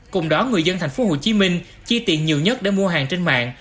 cùng đó người dân thành phố hồ chí minh chi tiền nhiều nhất để mua hàng trên mạng